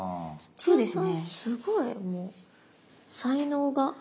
そうですね。